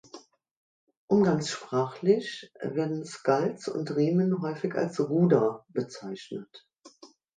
Umgangssprachlich werden Skulls und Riemen häufig als „Ruder“ bezeichnet.